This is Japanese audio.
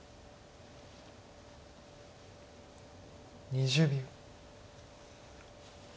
２０秒。